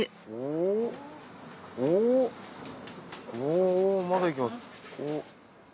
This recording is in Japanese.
おまだ行きます。